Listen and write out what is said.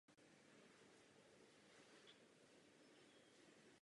Evropská unie okamžitě mobilizovala prostředky na řešení nejnaléhavějších problémů.